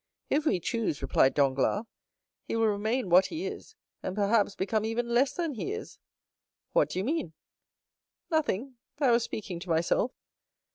"If we choose," replied Danglars, "he will remain what he is; and perhaps become even less than he is." "What do you mean?" "Nothing—I was speaking to myself.